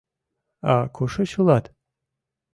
— А кушеч улат?